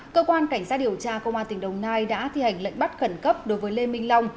cơ quan cảnh sát điều tra công an tỉnh đồng nai đã thi hành lệnh bắt khẩn cấp đối với lê minh long